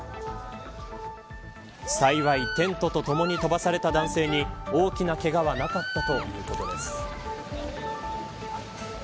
幸い、テントとともに飛ばされた男性に大きなけがはなかったということです。